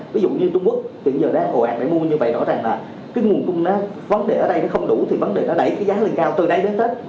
ví dụ như trung quốc thì giờ đang ồ ạt để mua như vậy rõ ràng là cái nguồn vấn đề ở đây nó không đủ thì vấn đề nó đẩy cái giá lên cao từ đây đến tết